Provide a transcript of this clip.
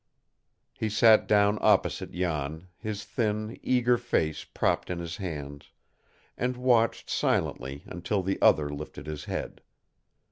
He sat down opposite Jan, his thin, eager face propped in his hands, and watched silently until the other lifted his head.